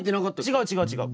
違う違う違う。